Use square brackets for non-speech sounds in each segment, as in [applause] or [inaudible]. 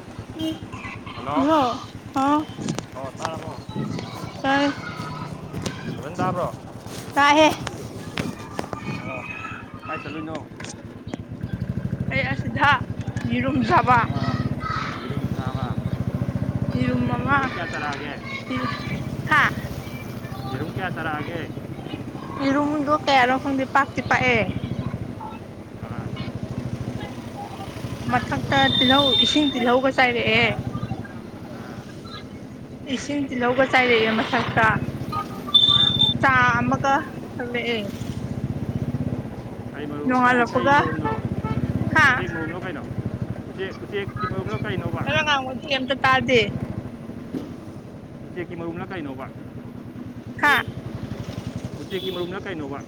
[unintelligible] Hello ꯍꯥꯎ ꯑꯣ ꯇꯥꯔꯕꯣ ꯇꯥꯔꯦ ꯐꯖꯅ ꯇꯥꯕ꯭ꯔꯣ ꯀ ꯍꯦ ꯑꯣ ꯍꯥꯏꯥꯏ ꯆꯠꯂꯣꯏꯅꯣ ꯑꯩ ꯑꯁꯤꯗ ꯌꯦꯔꯨꯝ ꯆꯥꯕ ꯑꯣ ꯌꯦꯔꯨꯝ ꯆꯥꯕ ꯌꯦꯔꯨꯝ ꯃꯉꯥ ꯌꯦꯔꯨꯝ ꯀꯌꯥ ꯆꯥꯔꯛꯑꯒꯦ ꯌꯦꯔꯝ ꯀꯌꯥ ꯁꯔꯑꯒꯦ ꯏꯔꯨꯝꯗꯣ ꯀꯌꯥꯔꯈꯨꯝꯗꯤ ꯄꯥꯛꯇꯤ ꯄꯥꯛꯑꯦ ꯃꯊꯛꯇ ꯇꯤꯜꯍꯧ ꯏꯁꯤꯡ ꯇꯤꯜꯍꯧꯒ ꯆꯥꯏꯔꯛꯑꯦ ꯏꯁꯤꯡ ꯇꯤꯜꯍꯧꯒ ꯆꯥꯏꯔꯛꯑꯦ ꯃꯊꯛꯇ ꯆꯥ ꯑꯃꯒ ꯊꯛꯂꯛꯑꯦ ꯀꯩ ꯃꯔꯨ ꯀꯩ ꯀꯩ ꯅꯣꯡꯉꯥꯜꯂꯛꯄꯒ ꯃꯔꯨꯝꯅꯣ ꯍꯥ [unintelligible] ꯀꯩꯅꯣ ꯦ ꯍꯧ ꯍꯂꯣ ꯉꯗꯨ ꯑꯝꯇ ꯇꯥꯗꯦ ꯎꯆꯦꯛꯀꯤ ꯃꯔꯨꯝꯂ ꯀꯩꯅꯣꯕ ꯍꯥ ꯎꯆꯦꯛꯀꯤ ꯃꯔꯨꯝꯂ ꯀꯩꯅꯣꯕ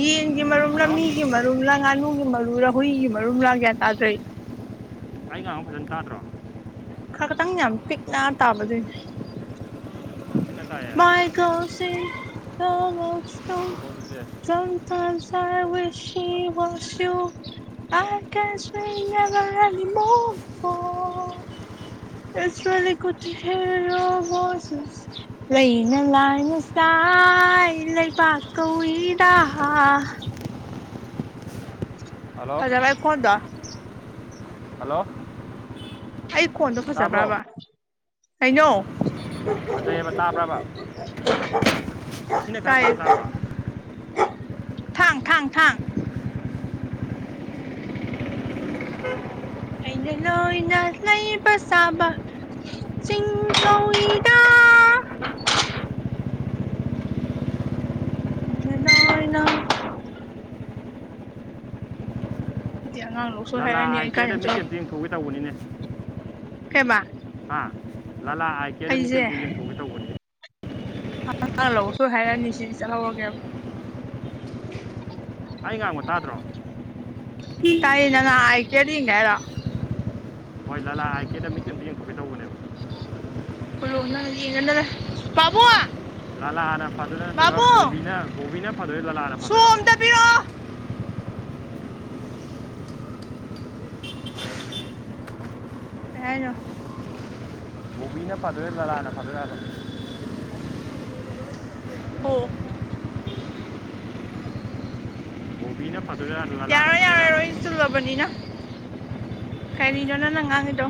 ꯌꯦꯟꯒꯤ ꯃꯔꯨꯝꯂꯥ ꯍꯜꯂꯣ ꯃꯤꯒꯤ ꯃꯔꯨꯝꯂꯥ ꯉꯥꯅꯨꯒꯤ ꯃꯔꯨꯨꯔꯥ ꯍꯨꯏꯒꯤ ꯃꯔꯨꯝꯂꯥ ꯒꯌꯥ ꯇꯥ꯭ꯔꯣꯏ ꯑꯩ ꯉ ꯐꯖꯅ ꯀꯥꯗ꯭ꯔꯣ ꯈ ꯈꯇꯪ ꯌꯥꯝ ꯄꯤꯛꯅꯥ ꯇꯥꯕ ꯑꯗꯨꯏꯅꯦ ꯄꯤꯛꯅ ꯇꯥꯏꯌꯦ ꯃꯥꯏꯒꯁꯤ ꯍ ꯃꯈꯣꯟꯁꯦ ꯆꯇꯁꯁ ꯋꯥꯁꯤꯨ ꯑ ꯀꯁꯨ ꯌꯥꯕꯅꯤ ꯃꯄꯣ ꯏꯁ ꯦ ꯀꯠꯇ ꯈꯦꯔꯣ ꯁꯁ ꯂꯩꯅ ꯂꯥꯏꯅ ꯁꯥꯏ ꯂꯩꯄꯥꯛ ꯀꯧꯏꯗꯥ ꯍꯥ ꯍꯜꯂꯣ ꯍꯖ ꯥꯏ ꯀꯣꯣꯟꯗ ꯍꯜꯂꯣ ꯀꯣꯟꯗꯣ ꯇꯥꯕ꯭ꯔꯣ ꯐꯖꯕ꯭ꯔꯕ ꯀꯩꯅꯣ ꯂꯩꯕ ꯇꯥꯕ꯭ꯔꯕ ꯁꯤꯅ ꯈꯔ ꯇꯥꯏ ꯐꯖꯅ ꯇꯥꯕ꯭ꯔꯣ ꯊꯥꯡ ꯊꯥꯡ ꯊꯥꯡ ꯑꯩꯅ ꯂ ꯏꯅꯁꯤ ꯅ ꯄꯁꯥꯕ ꯆꯤꯡ ꯀꯧꯏꯗꯥ ꯏꯅ ꯑꯩꯅ ꯏꯌꯥ ꯅꯥꯡꯣ ꯂꯥꯂꯥ ꯑꯥꯏꯇꯦꯗ ꯃꯤꯡꯁꯦ ꯑꯃꯝꯇ ꯌꯦꯡꯊꯣꯛꯒꯦ ꯇꯧꯕꯅꯤꯅꯦ ꯁꯃ ꯍꯥ ꯂꯥꯂꯥ ꯑꯥꯏ ꯀꯦꯌꯔꯗ ꯃꯤꯠꯁꯦ ꯑꯝꯇ ꯌꯦꯡꯊꯣꯛꯒꯦ ꯇꯧꯕꯅꯦ ꯍꯪ ꯂꯧꯕ ꯁꯣꯏ ꯍꯥꯏꯔꯅꯤ ꯁꯤꯗꯤ ꯆꯠꯍꯧꯔꯒꯦꯕ ꯑꯩꯉꯉ ꯇꯥꯇꯔꯣ ꯇꯥꯏ ꯅꯅ ꯍꯥꯏꯥꯏ ꯀꯦꯗꯤꯉꯔ ꯍꯣꯏ ꯂꯂꯥ ꯑꯥꯏ ꯀꯦꯌꯔꯗ ꯃꯤꯠꯁꯦ ꯑꯃꯇ ꯌꯦꯡꯊꯣꯛꯀꯦ ꯇꯧꯕꯅꯦꯕ ꯣꯅ ꯌꯦꯡꯉꯗ ꯄꯥꯕ ꯂꯥꯂꯥꯅ ꯐꯥꯔꯣꯏ ꯅꯠꯇ꯭ꯔꯒ ꯕꯣꯕꯤꯅ ꯕꯣꯕꯤꯅ ꯐꯗꯣꯏ ꯂꯥꯂꯥꯅ ꯁꯣ ꯐꯥꯔꯣ ꯑꯝꯇ ꯄꯤꯔꯛꯑꯣ ꯄ ꯌꯥ [unintelligible] ꯐꯗꯣꯏꯔ ꯅꯂꯥꯅ ꯐꯗꯣꯏꯔꯥꯕ [inaudible] ꯑꯣ ꯏꯅ ꯄꯗꯨꯕ ꯂꯅ ꯄꯗꯨꯒ [unintelligible] ꯕꯅꯤꯅ ꯀꯩꯔꯤꯅꯣ ꯅꯪꯅ ꯉꯥꯡꯉꯤꯗꯣ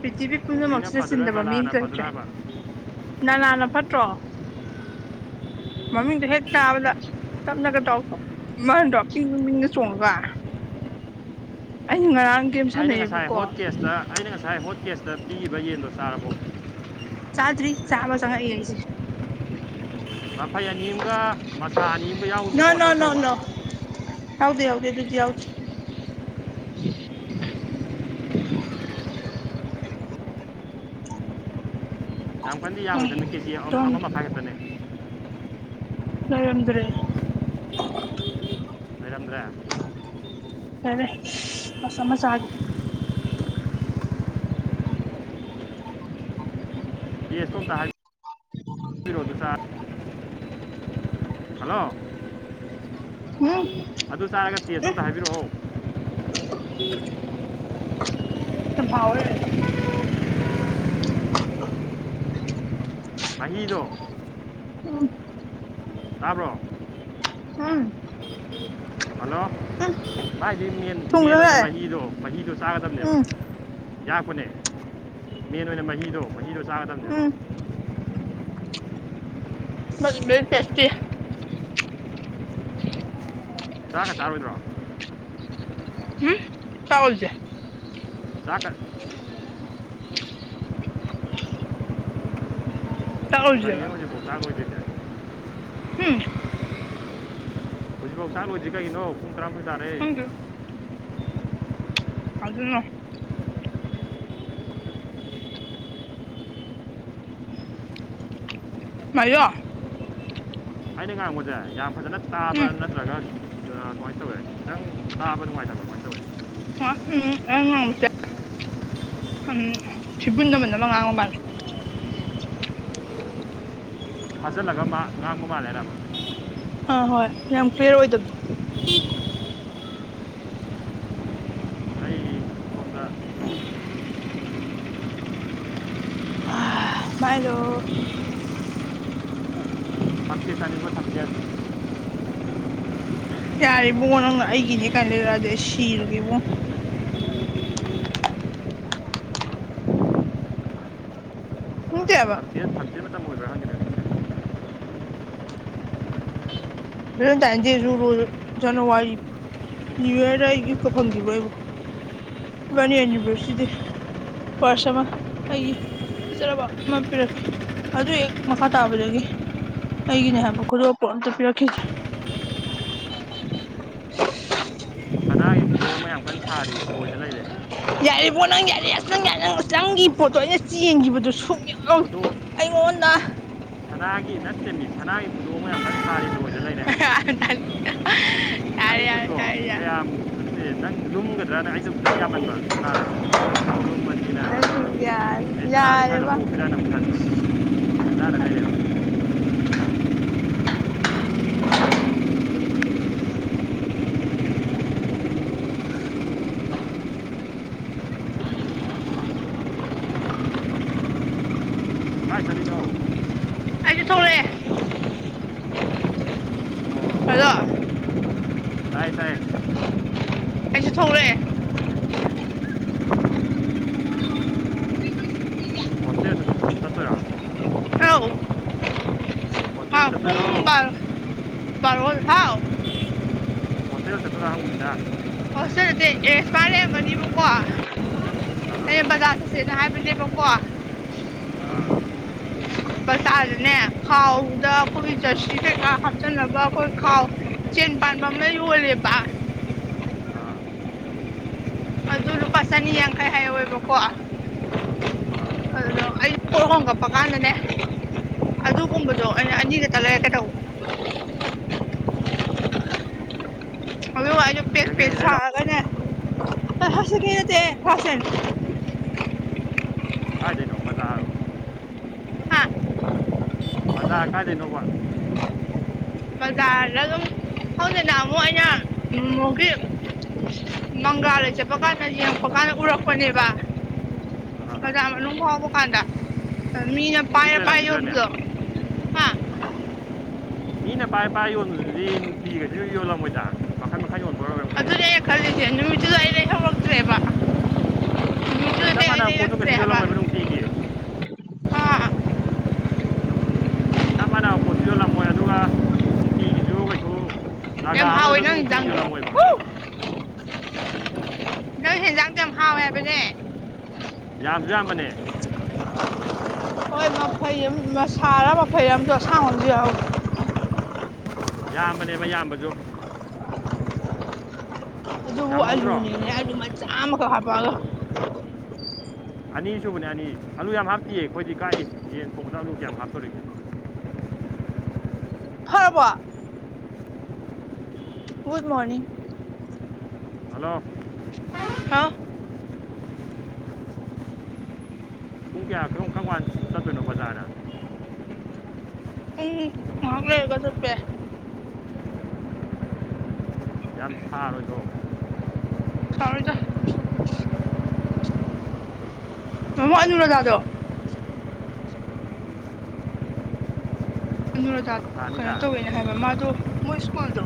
ꯄ꯭ꯔꯤꯊꯤꯕꯤ ꯕꯣꯕꯤꯅ ꯄꯨꯝꯅꯃꯛꯁꯤꯗ ꯐꯗꯣꯏꯔꯥ ꯆꯤꯟꯗꯕ ꯂꯂꯥꯅ ꯃꯤꯅꯇꯣꯏꯇ꯭ꯔꯦ ꯐꯗꯣꯏꯔꯥꯕ ꯅꯅꯥꯅ ꯐꯠꯇ꯭ꯔꯣ ꯃꯃꯤꯤꯟ ꯇ ꯍꯦꯛꯇꯥꯎꯗ ꯇꯞꯅꯒ ꯇꯥꯎꯊ ꯃꯥꯟꯗꯣꯤꯡꯅ ꯃꯤꯡꯅ ꯆꯣꯡꯉꯒ ꯑꯩꯅ ꯉꯔꯥꯡꯒꯦꯝ ꯑꯩꯅ ꯉꯁꯥꯏ ꯁꯥꯟꯅꯩꯑꯕꯀꯣ ꯍꯣꯠ ꯀꯦꯁꯇ ꯑꯩꯅ ꯉꯁꯥꯏ ꯍꯣꯠꯀꯦꯁꯇ ꯄꯤꯈꯤꯕ ꯌꯦꯟꯗꯣ ꯆꯥꯔꯕꯣ ꯆꯥꯗ꯭ꯔꯤ ꯆꯥꯃ ꯆꯪꯉꯛ ꯍꯥꯏꯏꯁꯦ ꯃꯐꯩ ꯑꯅꯤ ꯑꯃꯒ ꯃꯁꯥ ꯑꯅꯤ ꯑꯃꯒ ꯌꯥꯎꯒꯤꯕꯅꯤꯀꯣ ꯑꯆꯧ ꯑꯆꯧꯕ ꯍꯥꯎꯗ ꯌꯥꯎꯗ ꯑꯗꯨꯗꯤ ꯌꯥꯥꯎꯗꯤ ꯌꯥꯝ ꯀꯟꯗꯤ ꯎꯝ ꯌꯥꯝꯡꯉꯤꯗꯅ ꯀꯦꯖꯤ ꯇꯣꯝ ꯑꯃ ꯃꯈꯥꯒꯠꯠꯇꯅꯦ ꯔꯗꯔꯦ ꯂꯩꯔꯝꯗ꯭ꯔꯦ ꯐꯔꯦ ꯁꯁ ꯍꯥꯏꯒ [inaudible] [unintelligible] ꯍꯥꯏꯕꯤꯔꯣ ꯎꯝ ꯑꯗꯨ ꯆꯥ ꯍꯜꯂꯣ ꯎ ꯑꯗꯨ ꯆꯥꯔꯒ ꯇꯦꯁ ꯑꯝꯇ ꯍꯥꯏꯕꯤꯔꯛꯑꯣ ꯌꯥꯝ ꯍꯥꯎꯋꯦ ꯑꯍꯗꯣ ꯎꯝ ꯇꯥꯕ꯭ꯔꯣ꯫ ꯎꯝ꯫ ꯍꯜꯂꯣ ꯎꯝ ꯃꯥꯏꯗꯤ ꯃꯦꯟ ꯃꯦꯟ ꯑꯣꯏꯅ ꯊꯨꯝꯒ꯭ꯔꯦꯍꯦ ꯃꯍꯤꯗꯣ ꯃꯍꯤꯗꯣ ꯆꯥꯒꯗꯕꯅꯦꯕ ꯎꯝ ꯌꯥꯛꯄꯅꯦ꯫ ꯃꯦꯟ ꯑꯣꯏꯅ ꯃꯍꯤꯗꯣ ꯃꯍꯤꯗꯣ ꯆꯥꯒꯗꯕꯅꯦꯕ꯫ ꯎꯝ [inaudible] ꯆꯥꯒ ꯆꯥꯔꯣꯏꯗ꯭ꯔꯣ꯫ ꯎꯝ ꯆꯥ ꯑꫭꯏꯖꯦ꯫ ꯆꯥꯛꯀ ꯆꯥꯛ ꯂꯣꯏꯗꯔ꯭ꯤꯕꯣ꯫ ꯀꯩꯒꯤꯅꯣ ꯍꯧꯖꯤꯛꯐꯥꯎ ꯆꯥꯛ ꯂꯣꯏꯗ꯭ꯔꯤꯁꯦ ꯎꯝ꯫ ꯍꯧꯖꯤꯛꯐꯥꯎ ꯆꯥꯛ ꯂꯣꯏꯗ꯭ꯔꯤ ꯀꯩꯒꯤꯅꯣ ꯄꯨꯡ ꯇꯔꯥꯃꯊꫭꯏ ꯇꯥꯔꯦ꯫ ꯈꯪꯗꯦ ꯇꯥꯁꯨꯅꯨ꯫ [unintelligible] ꯑꯩꯅ ꯉꯥꯡꯕꯁꯦ ꯌꯥꯝ ꯐꯖꯅ ꯇꯥꯕ꯭ꯔꯥ ꯎꯝ ꯅꯠꯇ꯭ꯔꯒ ꯀꯃꯥꯏꯅ ꯇꯧꯋꯦ ꯅꯪ ꯇꯥꯕ ꯅꯨꯡꯉꯥꯏꯇꯕ ꯀꯃꯥꯏꯅ ꯇꯧꯋꯦ꯫ [unintelligible] ꯎꯝ ꯊꯤꯕꯨꯟꯅꯝꯑ ꯑꯃ ꯉꯥꯡꯕ ꯃꯥꯜꯂꯦ꯫ ꯐꯥꯖꯜꯂꯒ ꯃꯥ ꯉꯥꯡꯕ ꯃꯥꯜꯂꯦ ꯍꯥꯏꯔꯕ꯫ ꯑꯥ ꯍꯣꯏ ꯌꯥꯝ ꯀ꯭ꯂꯤꯌꯥꯔ ꯑꯣꯏꯗꯕ꯫ [unintelligible] ꯑꯩ ꯁꯣꯝꯗ ꯑꯥ ꯃꯥꯏꯂꫭ꯫ [inaudible] ꯌꯥꯔꯦ ꯕꯨꯡꯉꯣ ꯅꯪꯅ ꯑꯩꯒꯤꯅꯦ ꯀꯥꯏꯅ ꯂꯩꯔꯛꯑꯗꯤ ꯑꯩ ꯁꯤꯔꯒꯦ ꯕꯨꯡꯉꯣ꯫ [inaudible] ꯁꯝꯇꯦꯁ ꯁꯝꯇꯦꯁ ꯃꯇꯝ ꯑꯣꯏꯕ꯭ꯔꯥ ꯈꯪꯗꯦ [unintelligible] ꯅ꯭ꯌꯨ ꯌꯥꯔꯗ ꯑꯩ ꯌꯨꯛꯀ ꯐꯪꯈꯤꯕ꯭ꯔ ꯑꯩꯕꯨ ꯏꯕꯥꯅꯤ ꯑꯦꯅꯤꯚꯔꯁ꯭ꯔꯤꯗꯤ ꯄꯔꯁ ꯑꯃ ꯑꯩꯒꯤ ꯐꯖꯔꯕ ꯑꯃ ꯄꯤꯔꯛꯈꯦ ꯑꯗꯨ ꯍꯦꯛ ꯃꯈꯥ ꯇꯥꯕꯗꯒꯤ꯫ ꯑꯩꯒꯤꯅꯦ ꯍꯥꯏꯕ ꯈꯨꯗꯣꯞꯄꯨ ꯑꯝꯇ ꯄꯤꯔꯛ [unintelligible] [inaudible] [inaudible] ꯑꯩꯉꫭꯟꯗꯥ [inaudible] [unintelligible] ꯌꯥꯔꯦ ꯌꯥꯔꯦ ꯌꯥꯔꯦ꯫ [inaudible] ꯌꯥꯔꯦ [inaudible] ꯌꯥꯔꯦꯕ [inaudible] [inaudible] [unintelligible] [unintelligible] ꯑꯩꯁꯨ ꯊꯣꯛꯂꯛꯑꯦ꯫ ꯑꯗꯣ ꯇꯥꯏ ꯇꯥꯏ꯫ ꯑꯩꯖꯨ ꯊꫭꯛꯂꯑꯦ꯫ ꯍꯥꯎ ꯍꯥ ꯄꯨꯡ ꯕꯥꯔꯣ ꯕꯥꯔꯣ ꯍꯥꯎ꯫ [inaudible] [inaudible] ꯀꯌꯦ ꯕꯖꯥꯔ ꯆꯠꯁꯦꯅ ꯍꯥꯏꯕꯅꯦꯕꯀꯣ ꯑ ꯃꯆꯥꯗꯅꯦ ꯈꯥꯎꯗ ꯑꯩꯈꯣꯏ ꯖꯔꯁꯤ ꯀꯩꯀꯥ ꯍꯥꯞꯆꯤꯟꯅꯕ ꯑꯩꯈꯣꯏ ꯈꯥꯎ ꯆꯦꯟ ꯄꯥꯟꯕ ꯑꯃꯅ ꯌꯣꯜꯂꯦꯕ ꯑꯗꯨ ꯂꯨꯄꯥ ꯆꯅꯤ ꯌꯥꯡꯈꯩ ꯍꯥꯏꯍꯧꯋꯦꯕꯀꯣ ꯑꯗꯨꯅ ꯑꯩ ꯄꯨ ꯍꯣꯡꯒꯠꯄ ꯀꯥꯟꯗꯅꯦ ꯑꯗꯨꯒꯨꯝꯕꯗꯣ ꯑꯩꯅ ꯑꯅꯤꯗ ꯇ ꯂꯩꯔꯦ ꯀꯩ ꯇꯧꯕ ꯑ ꯑ ꯄꯩꯁꯥꯅꯦ ꯍꯁꯦ ꯀꯦ ꯐꯁꯦꯟ ꯀꯥꯏꯗꯩꯅꯣ ꯕꯖꯥꯔ ꯍꯥ ꯕꯖꯥꯔ ꯀꯥꯏꯗꯏꯅꯣꯧꯕ ꯕꯥꯖꯔꯗꯥ ꯑꯗꯨꯝ ꯍꯗꯅ ꯑꯃꯨ ꯑꯩꯅ ꯃꯒ ꯃꯪꯒꯥ ꯂꯩꯖꯠꯄ ꯀꯥꯟꯗ ꯌꯦꯡꯉꯛꯄ ꯀꯥꯟꯗ ꯎꯔꯛꯄꯅꯦꯕ ꯑꯣꯖꯥ ꯍꯧꯖꯤꯛ ꯃꯅꯨꯡ ꯐꯥꯎꯕ ꯀꯥꯟꯗ ꯃꯤꯅ ꯍꯧꯖꯤꯛ ꯄꯥꯏꯔ ꯄꯥꯏꯔ ꯂꯩꯔꯂꯝꯕꯤꯗꯖꯥꯅꯤꯅ ꯌꯣꯟꯕꯗꯣ ꯍꯥ ꯏꯄꯥ ꯏꯄꯥ ꯌꯣꯜꯂꯗꯤ ꯅꯨꯄꯤꯒꯩꯁꯤꯁꯨ ꯌꯣꯜꯂꯝꯃꯣꯏꯗꯥ ꯑꯗꯨꯅꯦ ꯑꯩꯅ ꯈꯜꯂꯤꯁꯦ ꯅꯨꯃꯤꯠꯇꯨꯗ ꯑꯩ ꯂꯩ ꯍꯧꯧꯔꯛꯇ꯭ꯔꯦꯕ ꯍꯣꯏꯞꯥꯟꯅꯕ ꯄꯣꯨ ꯀꯩꯁꯨ ꯌꯣꯜꯂꯝꯝꯃꯕ ꯅꯨꯡꯇꯤꯒꯤ ꯍꯥ ꯆꯞ ꯃꯥꯟꯅꯕ ꯄꯣꯠꯁꯨ ꯌꯣꯜꯂꯝꯃꯣꯏ ꯑꯗꯨꯒ ꯅꯨꯡꯇꯤꯒꯤꯁꯨ ꯀꯩꯁꯨ ꯖꯒꯥ ꯌꯥꯝ ꯑꯃꯗ ꯍꯥꯎꯋꯦ ꯑꯗꯨꯝ ꯅꯪꯪ ꯅꯨꯡꯇꯤꯒꯤ ꯍꯤꯟꯖꯥꯡꯗꯣ ꯌꯣꯜꯂꯝꯃꯣꯏꯕ ꯅꯣꯏ ꯍꯦꯟꯖꯥꯡꯁꯨꯣ ꯌꯥꯝ ꯍꯥꯎꯋꯦ ꯑꯧ. ꯍꯥꯏꯕꯅꯦ ꯌꯥꯝꯁꯨ ꯌꯥꯝꯕꯅꯦ ꯍꯣꯏ ꯃꯐꯩ ꯁꯥꯥꯔ ꯐꯩꯔ ꯑꯃꯁꯨ ꯑꯁꯥꯡꯣꯝꯁꯨ ꯌꯥꯎꯦ ꯌꯥꯝꯌꯥꯝꯕꯅꯦꯕ ꯏꯌꯥꯝꯕꯁꯨ ꯑꯗꯨꯕꯨ ꯌꯥꯝ ꯍꯧꯗ꯭ꯔꯣ ꯑꯂꯨꯅꯦꯅꯦ ꯑꯂꯨ ꯃꯆꯥ ꯑꯃꯈꯛ ꯍꯥꯞꯄꯛꯑꯒ ꯑꯅꯤꯁꯨꯕꯅꯦ ꯑꯅꯤ ꯑꯂꯨ ꯌꯥꯝ ꯍꯥꯞꯇꯤꯌꯦ ꯑꯩꯈꯣꯏꯗꯤ ꯀꯥꯏ ꯌꯦꯟ ꯊꯣꯡꯕꯥ ꯆꯥꯕꯕꯨ ꯀꯌꯥꯝ ꯍꯥꯞꯇꯣꯔꯤꯒꯦ ꯈꯔꯔꯕ ꯒꯨꯗ ꯃꯣꯔꯅꯤꯡ ꯍꯜꯂꯣ ꯍꯥ ꯄꯨꯡ ꯀꯌꯥ ꯊꯣꯡ [unintelligible] ꯀꯥꯔꯝ ꯀꯥꯟ ꯆꯠꯇꯣꯏꯅꯣ ꯕꯖꯥꯔ ꯗꯥ ꯄꯨꯡ ꯉꯥꯏꯍꯥꯛ ꯂꯩꯔꯒꯥ ꯆꯠꯄ ꯌꯥꯏ ꯌꯥꯝ ꯁꯥꯕꯗꯣ ꯥꯎꯔꯖ ꯃꯃꯥ ꯑꯅ ꯔꯖꯥꯗꯣ ꯑꯅꯨꯔꯥꯗꯥ ꯌꯥꯝ ꯀꯩꯅꯣ ꯁꯥꯅꯤꯗ ꯇꯧꯋꯦꯅ ꯍꯥꯏꯕ ꯃꯥꯗꯣ ꯃꯣꯏ ꯁ꯭ꯀꯨꯜꯗꯣ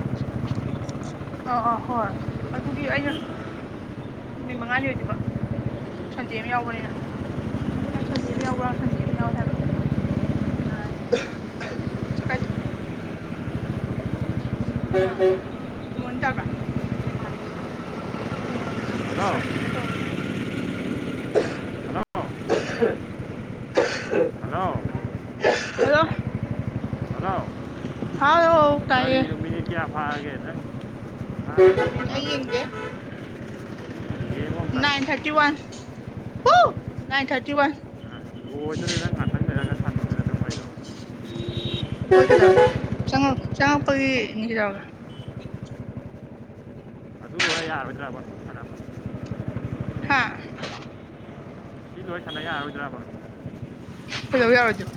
ꯑꯥ ꯑꯥ ꯍꯣꯏ ꯑꯗꯨꯗꯤ ꯑꯩꯅ ꯅꯨꯃꯤꯠ ꯃꯉꯥꯅꯤ ꯑꯣꯏꯗꯕ ꯁꯟꯗꯦ ꯑꯃ ꯌꯥꯎꯕꯅꯤꯅ ꯁꯟꯗꯦ ꯑꯃ ꯌꯥꯎꯕ꯭ꯔꯥ ꯁꯟꯗꯦ ꯑꯃ ꯌꯥꯎꯋꯦ ꯍꯥꯏꯕꯥꯏ ꯑꯥ ꯏꯉꯣꯟꯅ ꯇꯕ꯭ꯔꯥ ꯃꯥꯟꯅ ꯀꯩꯅꯣꯗꯤ ꯌꯥꯝ ꯐꯖꯅ ꯍꯜꯂꯣ ꯁꯔꯀꯨꯂꯦꯠꯀ ꯇꯧꯔꯃꯤꯅ ꯍꯜꯂꯣ [unintelligible] ꯍꯜꯂꯣ ꯍꯂꯣ ꯍꯥꯎ ꯇꯥꯏꯌꯦ [unintelligible] ꯑꯩ ꯌꯦꯡꯗꯦ ꯌꯦꯡꯉꯣ ꯑꯝꯇ ꯅꯥꯏꯟ ꯊꯥꯔꯇꯤ ꯋꯥꯟ ꯍ ꯅꯥꯏꯟ ꯊꯥꯔꯇꯤ ꯋꯥꯟ ꯂꯣꯏꯗꯣꯔꯦ ꯅꯪ ꯉꯥꯛꯇꯪ ꯂꯩꯔꯒ ꯁꯥꯟꯅꯗꯅ ꯑꯗꯨꯝ ꯂꯩꯗꯣ ꯍꯣꯏ ꯀꯩꯗꯧꯔꯒꯦ ꯆꯪꯉꯛ ꯆꯪꯉꯛꯄꯒꯤꯅꯤ ꯀꯩꯗꯧꯔꯒꯦ ꯇꯥꯗ꯭ꯔꯥꯕ ꯍ ꯍꯥꯥ ꯀ ꯂ ꯆꯂꯦ ꯌꯥ ꯑꯗꯔ ꯐ ꯍꯜꯂ ꯌꯥꯎꯖ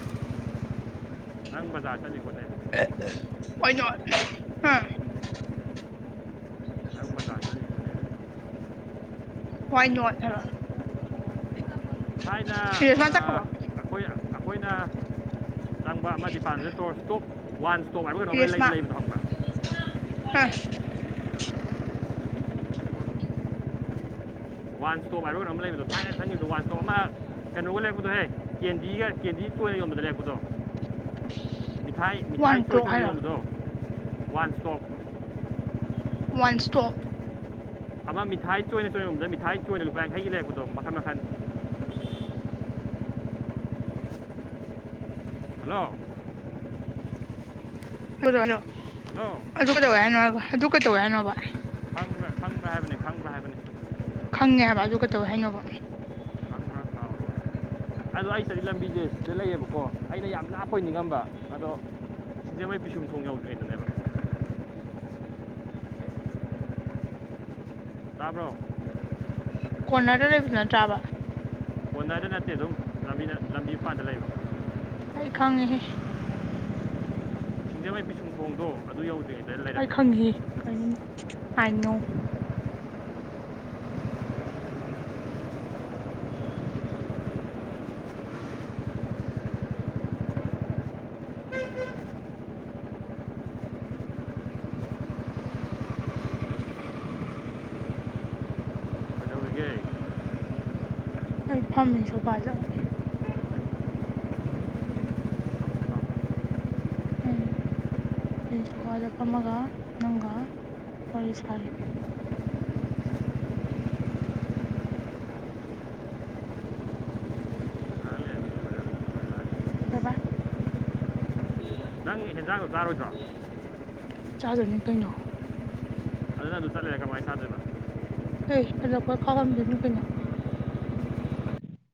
[inaudible] [unintelligible] ꯍꯥ ꯅꯪ ꯕꯖꯥꯔ ꯆꯠꯂꯤ ꯈꯣꯠꯂꯦ ꯍꯣꯏꯅꯠ ꯊꯔ ꯊꯥꯏꯅ ꯐꯔꯃ ꯑꯥ, ꯆꯕꯣ ꯑꯩꯈꯣꯏ ꯑꯩꯈꯣꯏꯅ ꯆꯪꯕ ꯑꯃ [unintelligible] ꯋꯥꯟ ꯏꯁꯇꯣꯛꯔ ꯂꯩꯕ ꯐꯪ꯭ꯔꯥ ꯑ [unintelligible] ꯋꯥꯟ ꯏꯁꯇꯣꯞ ꯑꯔꯣꯏꯔ ꯑꯃ ꯂꯩꯕꯗꯣ ꯊꯥꯏꯉꯦ ꯊꯪꯉꯤꯗꯣ ꯋꯥꯟ ꯏꯁꯇꯣꯞ ꯑꯃ ꯀꯩꯅꯣꯒ ꯂꯩꯔꯕꯗꯣ ꯍꯦ ꯀꯦꯟꯗꯤꯒ ꯀꯦꯟꯗꯤ ꯀꯣꯏꯅ ꯌꯣꯟꯝꯕꯗ ꯂꯩꯦꯄꯗꯣ ꯃꯤꯊꯥꯏ ꯋꯥꯟ ꯃꯤꯊꯥꯏ ꯀ꯭ꯂꯣꯛ [unintelligible] ꯍꯥꯏꯔꯣ ꯌꯣꯟꯕꯗꯣ ꯋꯥꯟ ꯏꯁꯇꯣꯞ ꯋꯥꯟ ꯁꯇꯣ ꯑꯃ ꯃꯤꯊꯥꯏ ꯆꯣꯏꯅ ꯆꯣꯏꯔꯣꯝꯗ ꯃꯤꯊꯥꯏ ꯆꯣꯏꯅ ꯂꯨꯄꯥ ꯌꯥꯡꯈꯩꯒꯤ ꯂꯩꯔꯄꯗꯣ ꯃꯈꯟ ꯃꯈꯟ ꯍꯜꯂꯣ [unintelligible] ꯍꯜꯂꯣ ꯑꯗꯨ ꯀꯩꯗꯧꯋꯦ ꯍꯥꯏꯅꯣꯕ ꯑꯗꯨ ꯀꯩꯗꯧꯋꯦ ꯍꯥꯏꯅꯣꯕ ꯈꯥꯪꯕ꯭ꯔꯥ ꯈꯪꯕ꯭ꯔꯥ ꯍꯥꯏꯕꯅꯤ ꯈꯪꯕ꯭ꯔꯥ ꯍꯥꯏꯕꯅꯤ ꯈꯪꯉꯦ ꯍꯥꯏꯕ ꯑꯗꯨ ꯀꯩꯧꯋ ꯍꯥꯏꯅꯣꯕ ꯑꯗꯣ ꯑꯩ ꯆꯗꯤ ꯂꯝꯕꯤꯁꯦ ꯁꯤꯗ ꯂꯩꯌꯦꯕꯀꯣ ꯑꯩꯅ ꯌꯥꯝ ꯂꯥꯞꯄꯣꯏ ꯅꯤꯡꯉꯝꯕ ꯑꯗꯣ ꯁꯤꯡꯖꯝꯃꯩ ꯄꯤꯁꯨꯝ ꯊꯣꯡ ꯌꯧꯗ꯭ꯔꯤꯗꯅꯦꯕ ꯇꯥꯕ꯭ꯔꯣ ꯀꯣꯔꯅꯗꯦꯗꯥ ꯐꯖꯟ ꯆꯥꯕ ꯑꯣꯟꯗꯥꯗ ꯅꯠꯇꯦ ꯑꯗꯨꯝ ꯂꯝꯕꯤꯄꯥꯟꯗ ꯂꯩꯕ ꯑꯩ ꯈꯪꯉꯤꯍꯦ ꯁꯤꯡꯖꯥꯃꯩ ꯄꯤꯁꯨꯝ ꯊꯣꯡꯗꯣ ꯑꯗꯨ ꯌꯧꯗꯔ꯭ꯤ [unintelligible] ꯈ ꯈꯪꯈꯤ ꯀꯣ ꯍꯥꯏꯅꯣ [unintelligible] ꯀꯩꯗꯧꯔꯤꯒꯦ ꯑꯩ ꯐꯝꯃꯤꯁꯨꯣꯄꯥꯗ ꯎꯝ [unintelligible] ꯐꯝꯃꯒ ꯅꯪꯒ ꯋꯥꯔꯤ ꯁꯥꯔꯤ ꯕꯥ ꯕꯥꯏ ꯅꯪ ꯍꯦꯟꯖꯥꯡꯗꯣ ꯆꯥꯔꯣꯏꯗ꯭ꯔꯣ ꯆꯥꯗꯅꯤ ꯀꯣꯏꯩꯅꯣ [unintelligible] ꯀ ꯑꯗꯣ ꯑꯩꯣꯏ ꯈꯥꯎꯔꯝꯗꯣꯏꯅꯨ ꯀꯩꯅꯣ